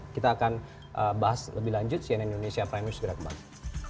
kita akan bahas lebih lanjut cnn indonesia prime news segera kembali